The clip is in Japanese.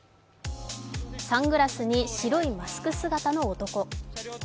サングラスに白いマスク姿の男。